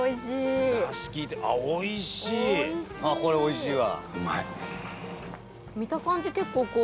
東山：これ、おいしいわ。